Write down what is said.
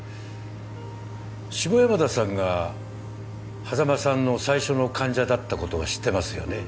下山田さんが波佐間さんの最初の患者だったことは知ってますよね？